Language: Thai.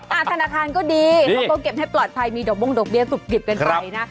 ธนาคารก็ดีเขาก็เก็บให้ปลอดภัยมีดอกบงดอกเบี้ยสุบกิบกันไปนะ